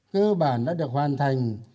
cơ bản đã được hoàn thành